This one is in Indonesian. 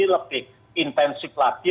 lebih intensif lagi